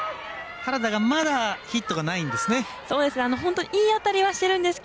原田がまだヒットがないんですね。